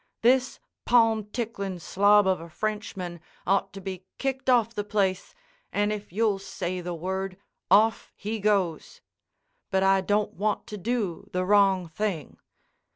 This palm ticklin' slob of a Frenchman ought to be kicked off the place and if you'll say the word, off he goes. But I don't want to do the wrong thing.